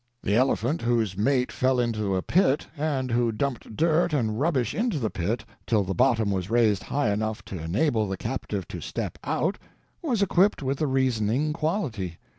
The elephant whose mate fell into a pit, and who dumped dirt and rubbish into the pit till bottom was raised high enough to enable the captive to step out, was equipped with the reasoning quality.